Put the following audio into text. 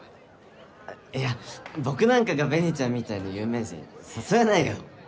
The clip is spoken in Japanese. いや僕なんかが紅ちゃんみたいな有名人誘えないよ。